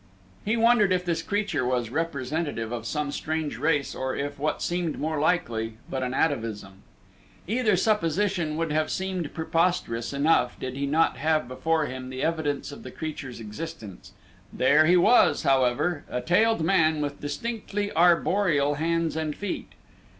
He wondered if this creature was representative of some strange race or if, what seemed more likely, but an atavism. Either supposition would have seemed preposterous enough did he not have before him the evidence of the creature's existence. There he was, however, a tailed man with distinctly arboreal hands and feet.